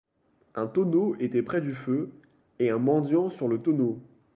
Un tonneau était près du feu, et un mendiant sur le tonneau.